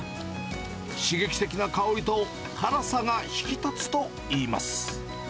刺激的な香りと辛さが引き立つといいます。